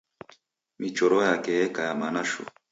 Michoro yake yeka ya mana shuu.